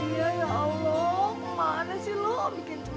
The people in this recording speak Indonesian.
nadia ya allah kemana sih lo bikin cemana